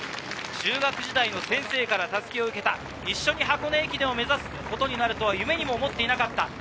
中学時代の先生から襷を受けた一緒に箱根駅伝を目指すことになるとは夢にも思っていなかった。